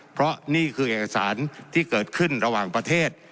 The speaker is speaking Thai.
เพราะนี่คือเอกสารที่เกิดขึ้นระหว่างประเทศ